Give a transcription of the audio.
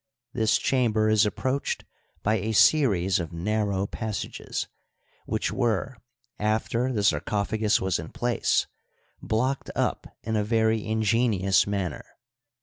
This chamber is approached by a series of narrow passages, which were, after the sarcophagus was in place, blocked up in a very ingenious manner.